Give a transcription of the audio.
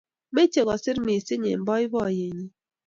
Meche kosiir missing eng boinyonyi